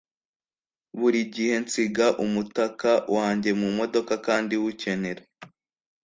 Buri gihe nsiga umutaka wanjye mu modoka kandi wukenera